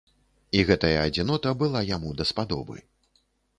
І гэтая адзінота была яму даспадобы.